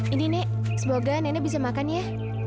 ini nek semoga nenek bisa makan ya